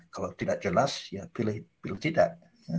kalau tidak jelas ya pilih tidak